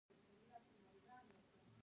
ژبې د افغانستان د طبیعت برخه ده.